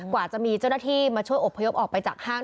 กว่าจะมีเจ้าหน้าที่มาช่วยอบพยพออกไปจากห้าง